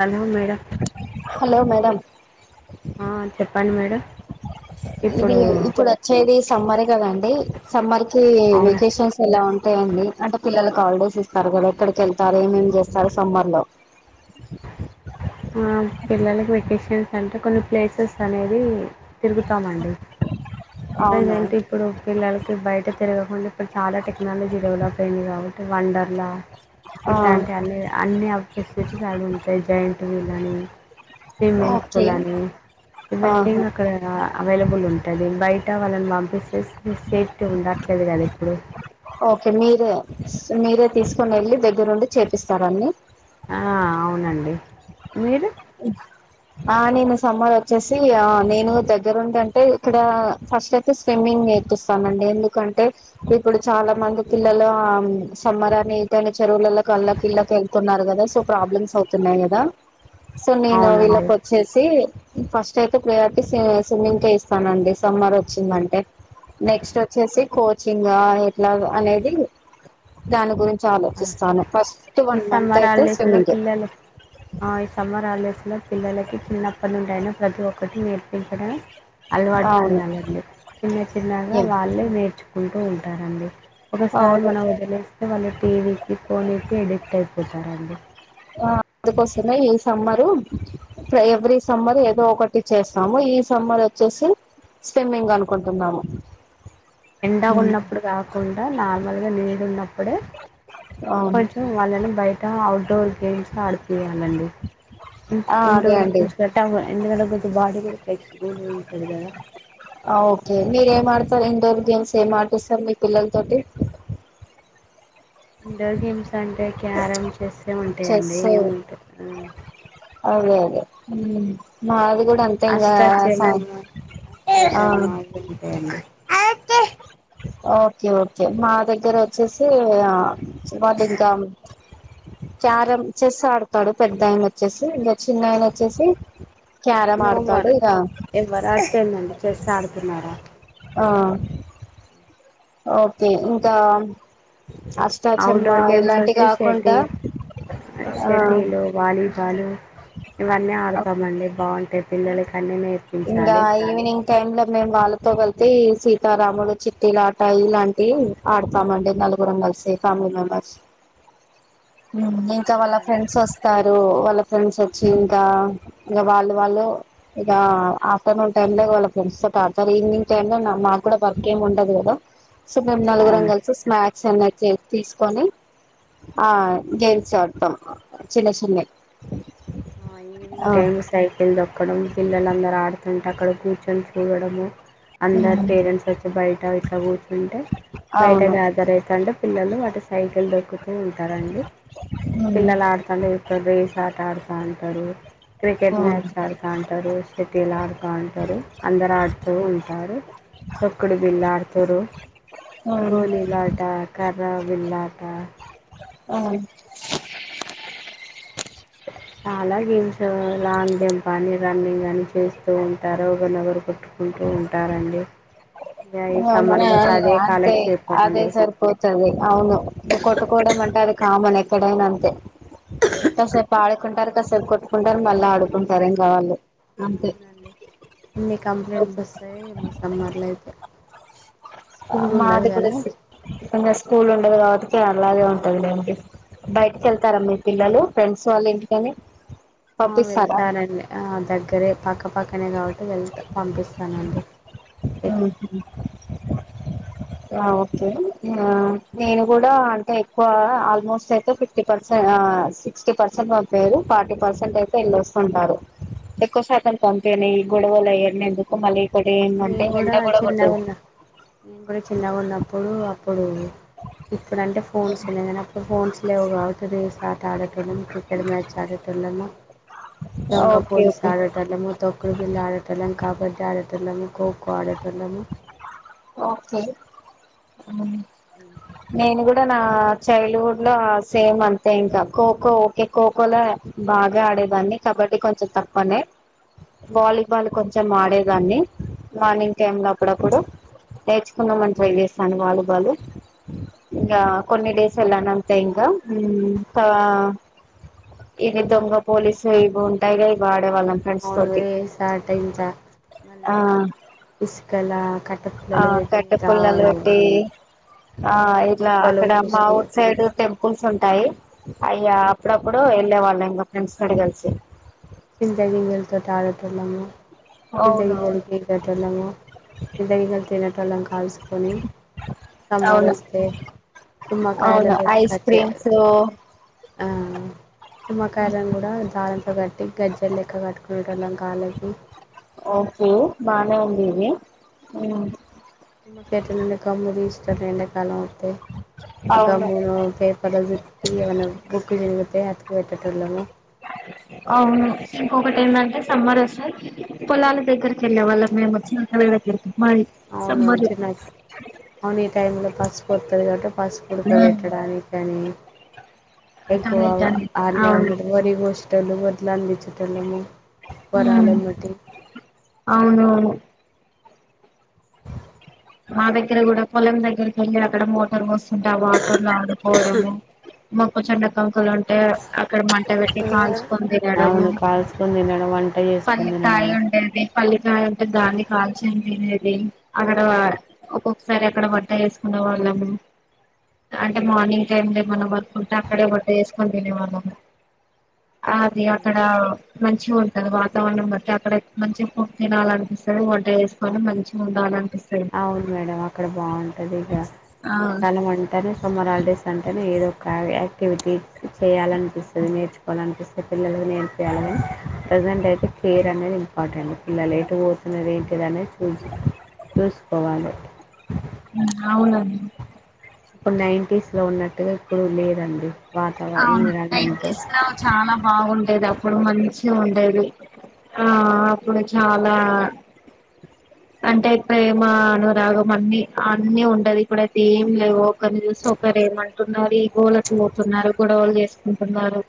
Hello madam hello madam చెప్పండి madam ఇది ఇప్పుడు ఇప్పుడచ్చేది సమ్మర్ గదండి సమ్మర్ కి అవునా వెకేషన్స్ ఎలా ఉంట్ టే అండి అంటే పిల్లలక హాలిడేస్ ఇస్తారు గదా, ఎక్కడికెళ్తారు ఏమేం జేస్తారు సమ్మర్ లో? ఆ పిల్లలకి వెకేషన్స్ అంటే కొన్ని ప్లేసెస్ అనేది తిరుగుతామండి అవునా లేదంటే ఇప్పుడు పిల్లలకి బయట తిరగకుండ ఇప్పుడు చాలా టెక్నాలజీ డెవలప్ అయింది గాబట్ టె వండర్లా ఆ ఇట్లాంటి అన్ని అన్ని వ ఫెసిలిటీస్ అవి ఉంటాయి జయింట్ ట్ వీలని, స్మ్మింగ్ ఓకే పూల్ అని వెళ్తే ఆహా ఇంగ అక్కడ అవైలబుల్ ఉంటది బయట వాళ్ళని పంపిస్తే సి సేఫ్టీ ఉండట్లేదు గదా ఇప్పుడు ఓకే మీరే స్ మీరే తీసుకొనెళ్ళి దగ్గరుండి చేపిస్తారా అన్ని? ఆ అవునండి మీరు ఆ నేను సమ్మర్ ఒచ్చేసి ఆ నేను దగ్గరుంటంటే ఇక్కడా ఫస్ట్ అయితే స్విమ్మింగ్ గ్ నేర్పిస్తానండి ఎందుకంటే, ఇప్పుడు చాలా మంది పిల్లలు ఆ సమ్మరనీ ఇటని చెప్ చెరువులల్లకు అల్లకిళ్లకు ఎల్తున్నారు గదా సో ప్రాబ్లమ్స్ అతున్నాయి గదా సో నేను వీళ్ళక్ అవునండి చ్చేసి ఫస్ట్ అయితే ప్రయారిటీ స్వి స్విమ్మింగ్ కె ఇస్తానండి సమ్మర్ వచ్చిందంటే నెక్స్టోచ్చేసి కోచింగా, ఎట్లాగ అనేది దాని గురించ్ ఆ, చాలోచిస్తాను ఫస్ట్ ఈ వన్ మంత్ సమ్మర్ అయితే హాలిడేస్ లో స్విమ్మింగ్ కే. పిల్లలు ఆ ఈ సమ్మర్ హాలడేస్ లో పిల్లలకి చిన్నప్పట్నుండి అయినా ప్రతి ఒక్కటి నేర్పించడం అలవాటు అవును చేయ్యాలండి చిన్న చిన్నగా వాళ్ళే నేర్చుకుంటూ ఉంటారండి. ఒకసారి అవును మనం వదిలేస్తే వాళ్ళు టీ వీ కి, ఫోన్కి ఎడిక్ట్ అయిపోతారండి. ఆ, అందుకోసమే ఈ సమ్మరు ట్ర ఎవ్రీ సమ్మర్ ఏదో ఒకటి చేస్తాము, ఈ సమ్మరోచ్చేసి స్విమ్మింగ్ అనుకుంటున్నాము. ఎండగున్నప్పుడు కాకుండా నార్మల్గ నీడున్నప్పుడే అవును కొంచెం వాళ్ళని బయట అవుట్డోర్ గేమ్స్ ల ఆడిపియాలండి, ఆ ఇంట్ల్ అదే ఇండోర్ అండి గేమ్స్ పెట్టాము ఎండ దగ్గట్టు బాడీ గూడ లైక్ [unintelligible] ఆ ఓకే మీరేమాడత్ తర్ ఇండోర్ గేమ్స్ ఏం ఆడిపిస్తరు మీ పిల్లల్తోటి? ఇండోర్ గేమ్స్ అంటే క్యారం, చెస్సే చెస్ ఉంటయండి ఏముంటయి. అదే మాది కూడా అంతే ఇంగా సా అష్టాచమ్మ ఆ అష్టాచమ్మ ఇవి ఉంటాయండి ఓకే ఓకే మా దగ్గర వచ్చేసి ఆ వాళ్ళు ఇంకా క్యారం చెస్ ఆడతాడు పెద్ద ఆయన వచ్చేసి, ఇంగా చిన్న ఆయన వచ్చేసి క్యారం నువ్వు ఆడతాడు మరి ఇక ఏ మరి ఆడుతుందండి చేస్ ఆడుతున్నారా. ఆ ఓకే ఇంకా ఔట్ అష్టాచమ్మ డోర్ గేమ్స్ ఇలాంటి వచ్చేసి కాకుండా షేటిల్ ఆ షెటీలు, వాలీబాలు. ఇవన్నీ ఆడుతామండి, బావుంటయి. పిల్లలకన్నీ ఇంకా నేర్పించాలి. ఈవినింగ్ టైమ్ లో మేము వాళ్ళతో వెళ్తే సీతారాములు, చిట్టి లాటా ఇలాంటివి ఆడతామండి. నా లుగురం కలిసి ఫ్యామిలీ మెంబర్స్. అ హ్ ఇంకా వాళ్ళకు ఫ్రెండ్స్ వస్తారు. వాళ్ళ ఫ్రెండ్స్ వచ్చి ఇంకా ఇగా వాళ్ళది వాళ్ళు ఇగా ఆఫ్టర్నూన్ టైమ్ లో వాళ్ళ ఫ్రెండ్స్ తోటి ఆడతారు. ఈవినింగ్ టైమ్ల మాకు కూడా వర్క్ ఏమి ఉండదు కదా. సో మేము అవును నలుగురంగ కలుసి స్నాక్స్ ఏమన్న ఇట్లే తీసుకొని ఆ గేమ్స్ ఆడతం చిన్న చిన్నయి. ఇంకా ఎం సైకిల్ దొక్కడం పిల్లలందరు ఆడుతుంటే అక్కడ కూర్చొని చూడడము. అందరి పేరెంట్స్ వచ్చి బయట ఇట్లా కూర్చుంటే బయట అవును గ్యాదర్ అయితాంటే పిల్లలు వాటి సైకిల్ దొక్కుతూ ఉంటారండి. అవును పిల్లలు ఆడుతాంటే చూత్తం రేస్ ఆట ఆడుతాంటరు. క్రికెట్ అవును మ్యాచ్ ఆడుతా ఉంటరు. షటీల్ ఆడుతా ఉంటరు. అందరు ఆడుతూ ఉంటారు. తొక్కుడు బిల్ళ ఆడుతుంర్రు. అవును గోలీ లాట, కర్ర బిల్లాట అవున్ చాలా గేమ్స్ లాంగ్ జంప్ అని రన్నింగ్ అని చేస్తూ ఉంటారు, ఒకరినొగరుకొట్టు కుంటూ ఉంటారండి. ఇక ఈ ఆ సమ్మర్ మొత్తం మ అదే అంతే కాలక్షేపం అదే అండి సరిపోతది. అవును కొట్టుకోడమమంటే అది కామన్ ఎక్కడైన అంతే. కాసేపు ఆడుకుంటరు, కాసేపు కొట్టుకుంటరు మళ్ళ ఆడుకుంటారు ఇంగా వాళ్ళు అంతే. ఎన్ని కంప్లైంట్స్ వస్తయి ఏమో సమ్మర్ల అయితే. ఆ స్కూల్ ఉండదు మాది కదా గుడసే [inaudible] స్కూల్ ఉండదు కాబట్టికి అలాగే ఉంటదిలేండి బయటికి వెళ్తరా మీ పిల్లలు ఫ్రెండ్స్ వాళ్ళ ఇంటికి అని. ఆ వెళ్తారండి ఆ దగ్గరే పక్కపక్కనే కాబట్టి వెళ్తా పంపిస్తానండి. ఎక్ ఆహా ఆ ఓకే ఆ నేను కూడా అంటే ఎక్కువ ఆల్మోస్ట్ అయితే ఫిఫ్టీ పర్సెంట్ ఆ సిక్స్టీ పర్సెంట్ పంపియరు, ఫార్టీ పర్సెంట్ అయితే ఎల్ళొస్తుంటారు. ఎక్కువ శాతం పంపియను, ఈ గొడవలు అయ్యి అన్నీ ఎందుకు మళ్ళీ ఇంకోటి ఎంటం మేము కూడా చిన్నగా ఉన్న నేను కూడా చిన్నగా ఉన్నప్పుడు అప్పుడు ఇప్పుడంటే ఫోన్స్ ఉన్నయి కానీ అప్పుడు ఫోన్స్ లేవు కాబట్టి రేస్ ఆట ఆడే టోళ్ళం, క్రికెట్ మ్యాచ్ ఆడేటోళ్ళము. దొంగా ఓకే పోలీస్ ఓకే ఆడేటోల్లము, తొక్కుడు బిల్ల ఆడేటోల్లము, కబడ్డీ ఆడేటోల్లము ఖోఖో ఆడే ఓకే నేను హ్ గు డా నా చైల్డ్ హుడ్ లో సేమ్ అంతే ఇంకా ఖోఖో ఓకే ఖోఖో లోనే బాగా ఆడే డే దాన్ని కబడ్డి కొంచెం తక్కువనే. వాలీబాల్ కొంచెం ఆడేదాన్ని మార్నింగ్ టైమ్ లో అప్పుడప్పుడు. నేర్చుకుందమని ట్రై చేస్తాను వాలీ బాలూ. ఇకా కొన్ని డేస్ ఎల్లానంతే ఇంకా. కా ఇది దొంగ పోలీస్ ఇవుంటాయిగా ఇవా అవునుస ట ఇంత ఆ మళ్ళీ ఇసుకల కట్ ఆ కట్టే పుల్లలు పెట్టి ఆ ఇలా కుప్పలు అక్కడ మా పోసి ఊరి సైడ్ టెం స్కూల్స్ ఉంటాయి అయ అప్పుడప్పుడు వెళ్ళే వాళ్ళం, ఇంకా ఫ్రెండ్స్ గడ కలిసి. చింత గంగలుతోటి ఆడటలము చింతగిజలు అవునవును తిగేటోళ్ళము చింతగిజలు తినటోళ్ళం కాలుసుకొని అవును అవును సమరస్తే తుమ కయల అవును దోటి ఐస్ కచ క్రీమ్స్ ఆ తుమ్మకాయలను కూడా దనంతో కట్టి గజ్జర్ లెక్క కట్టుకునేళ్ళ కాలకి ఓకే బానే ఉందిది. తు చేట నుం కమ్ముది ఇష్ట ఎంండడాకాలం అంతతే అగ అవును మూ పేపర్లు చుట్టి ఏమైన్నా బుక్ తిరిగితే ఎత్తుకు పెట్టేటళ్ళము. అవును ఒకటి ఏంటంటే సమ్మర్ వస్తే పొలాల దగ్గరికి వెళ్ళే వాళ్ళ మేము వచ్చి నకళ దగ్గరికి మాది అవును సమ్మర్ చిన్న అవును ఈ టైమ్ లో పసుపోత్తది కదా. పసుపుడక పెట్టడానికని ఎక్కువ కానీ కానీ ఆనే అవును ఉండేటి వరి కోసేటోళ్లము, వడ్లందించేటోళ్ళము. హ అవును మా దగ్గర కూడా పొలం దగ్గరకి వెళ్ళారు అక్కడ మోటర్ వస్తుంది అంటే ఆ వాటర్లు ఆడుకోవడము మాకు చెడాకా మక్కలు ఉంటే అక్కడ మంట పెట్టి కాల్చుకుొంది ఎడబ అవును కాల్చుకొని తినడం వంట చేసుకొని పల్లికాయ తినడము ఉండేది పల్లికాయ ఉంటే దాన్ని కాల్చేయం అది అక్కడ ఒక్కొక్కసారి అక్కడ వంట వేసుకునే వాళ్ళము అంటే మార్నింగ్ టైమ్ లోమై వర్క్ ఉంటే అక్కడే బట్ట చేేసుకొని తినవాళ్ళము అదిే అక్కడ మంచి మంచి ఉంటంది వాతావరణం బట్టి అక్కడ మంచిగా ఫు తినాలనిపిస్తుంది వంట చేసుకొని మంచిగా ఉండాలిని అ వును మేడం అక్కడ బాగుంటది ఇగ ఆ ఎండాకాలం అంటేనే సమ్మర్ హాలిడేస్ అంటేనే ఏదోక యాక్టివిటీస్ చేయాలనిపిస్తది, నేర్చుకోవాలనిపిస్తది, పిల్లలకి నేర్పియ్యాలీ, ప్రజెంట్ అయి కేర్ అనేది ఇంపార్టెంట్ పిల్లలు ఎటు పోతున్నది ఏంటిదినేది చూసి చూసుకోవాలే. అవునండి నైన్టీస్ లో ఉన్నట్టుగా ఇప్పుడు లేదండి. వాతావరణ అవును నైన్ ఎన్విరాన్మెంట్ డేస్ లో చాలా బాగుండేది అప్పుడు మంచిగా ఉండది ఆ అప్పుడు చాలా అంటే ప్రేమ అనురాగం అన్ని అన్నీ ఉండది ఇప్పుడ అయితే ఏం లేవుో ఒకరిని చూసి ఒకరు ఏమంటున్నారు ఈ గోళకి పోతున్నారు గొడవలు చేసుకుంటున్నారు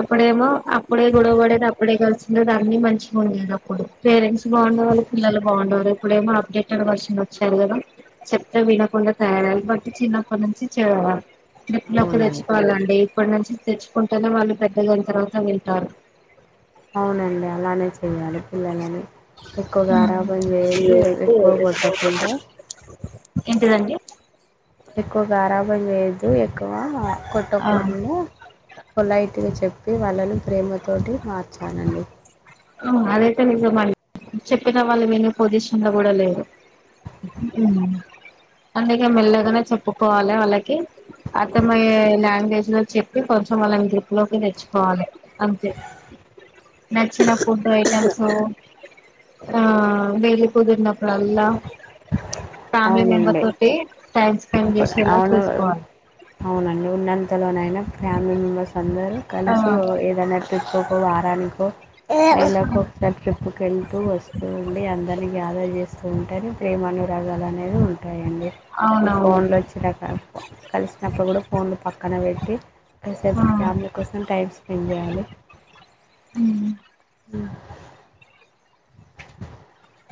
అప్పుడేమో అప్పుడే గొడవ పడేది అప్పుడే కలిసిండేద అన్నిీ మంచిగా ఉండేది అప్పుడు పేరెంట్స్ బాగుండేు పిల్లలు బాగుండ ఇప్పుడ ఏమ అప్డేటెడ్ వర్షన్ వచ్చారు కదా చెప్తే వినకుండా తయ బట్టి చిన్నప్పటి నుంచి ట్రిప్ లో తెచ్చ అవునండి ఇప్పటి నుంచి తెచ్చుకుంటేనే వాళ్ళు పెద్దగైన తర్వాత వింటారు. అవునండి అలానే చెయ్యాలి పిల్లలని. ఎక్కువ గారాభం చేసి, ఎక్కువ కొట్టకుండా ఏంటిదండి ఎక్కువ గారాబం చేసి ఎక్కువ కొట్టకూడదు పొలైట్ గా చెప్ పి వాళ్ళను ప్రేమతోటి మార్చానండి అదైతే నిజం అండి చెప్పిన వాళ్ళు వినే పొజిషన్ లో గూడ లేదు అందుకే మెల్లగనే చెప్పుకోవాలి ఆళ్ళకి అర్థమయ్యే లాంగ్వేజ్ లో చెప్పి కొంచెం ఆళన్ గ్రిప్ లోకి తెచ్చుకోవాలె అంతే నెక్స్ ఫుడ్ ఐటమ్సూ ఆ వీలు కుదిరినప్పుడల్లా ఫ్యామిలీ మెంబర్ అవునండి తోటి టైమ్ స్పెండ్ ఇప్పుడు చేసేలా అవును చూసుకోవాలి అవునండి ఉన్నంతలోనైనా ఫ్యామిలీ మెంబెర్స్ అందరు ఆ కలిసి ఓ ఏదైనా ట్రిప్ కో వారానికో ఎలకి ఒకసారి ట్రిప్ కు వెళ్తూ వస్తూ ఉండి అందరి గ్యాదర్ చేసుకుంటేనే ప్రేమ అనురాగాలు అనేవి ఉన్ టయండి ఈ అవునవును ఫోన్లు ఒచ్చినాక ప కలిసినప్పుడు గూడా ఫోన్లు పక్కన వెట్టి కాసేపు ఆ ఫ్యామిలీ కోసం టైం స్పెండ్ జేయాలి ఊ ఉ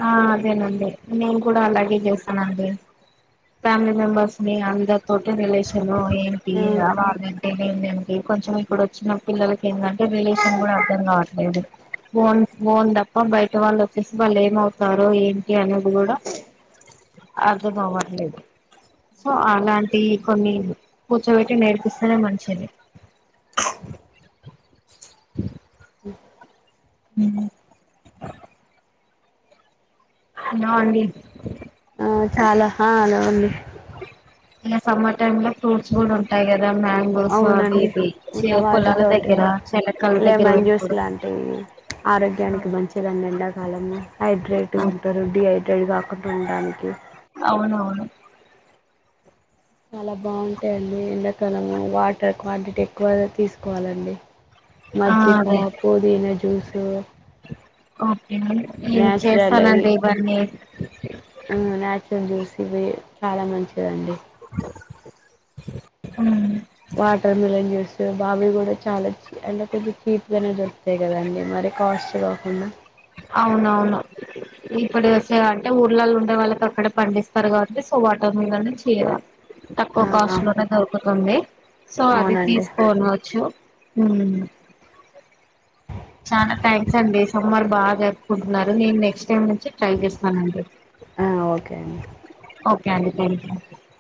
ఆ అదేనండి నేను కూడా అలాగే చేసానండి ఫ్యామిలీ మెంబర్స్ నీ అందర్ తోటి రిలేషనో ఏంటీ అవును [unintelligible] నే నేను కొంచెం ఇప్పుడు ఒచ్చిన పిల్లలకి ఏందంటే రిలేషన్ గూడా అర్థం గావట్లేదు బోన్ బోందప్ప బయట వాళ్ళు ఒచ్చేసి బలే ఏమవుతారో ఏంటి అనేది గూడా అర్థం అవట్లేదు సో అలాంటి కొన్ని కూర్చోవెట్టి నేర్పిస్తెనే మంచిది అ ఊ నా అండి ఆ చాలా ఆ హలో అంది న సమ్మర్ టైమ్ లో ఫ్రూట్స్ గూడ ఉంటాయి గ ర మ్యాంగోస్ అవి అవునండి ఇది చె ఉన్న పొలాల వాటితోటి దగ్గర చెలకల్ దగ్గర లెమన్ జ్యూస్ వునప్పుడు లాంటివి ఆరోగ్యానికి మంచిదండి ఎండాకాలమున హైడ్రేట్ గ ఉంటరు డీహైడ్రేట్ గా పటి ఉండానికి అవునవును చాలా బాగుంటయండీ ఎండా కాలము వాటర్ క్వాంటిటీ ఎక్కువ తీసుకోవాలండి ఆ మజ్జిపా అదే పోదీన జూసు నేన్ చేస్తానండి ఇవన్నీ ఊ న్యాచురల్ జ్యూస్ ఇవి చాలా మంచిదండి ఊ వాటర్ మిలన్ జ్యూస్ బాబి కూడా చాలా అంటె కొంచెం చీప్ గానే దొరుక్తయ్ గదండి మరి కాస్ట్ కాకుండా అవునవును ఇప్పుడు [unintelligible] అంటే ఊర్లలో ఉండే వాళ్ళకి అక్కడ పండిస్తారు కాబట్టి వాటర్ మిలన్ చేయవ తక్కువ ఆ కాస్ట్ లోనే దొరుకుతుంది సో అది అవునండి తీసుకోనవచ్చు ఊ చానా థ్యాంక్స్ అండి సమ్మరు బాగా జరుపుకుంట్నారు నేను నెక్స్ట్ టైమ్ నుంచి ట్రై చేస్తానండి ఆ ఓకే అండి [unintelligible]